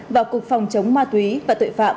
và cục phòng chống ma túy và tội phạm